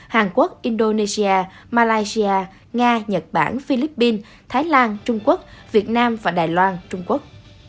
hàn quốc indonesia malaysia nga nhật bản philippines thái lan trung quốc việt nam và đài loan trung quốc